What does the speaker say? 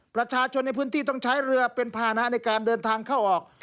ประชาชนในพื้นที่ต้องใช้เรือเป็นภานะในการเดินทางเข้าออก